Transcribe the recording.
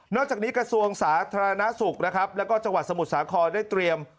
นอกจากนี้กระทรวงสาธารณสุขและจังหวัดสมุทรสาขอได้เตรียม